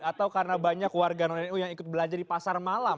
atau karena banyak warga non nu yang ikut belajar di pasar malam